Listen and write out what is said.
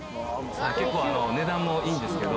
結構、値段もいいんですけど。